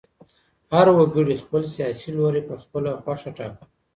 هر وګړي خپل سیاسي لوری په خپله خوښه ټاکه.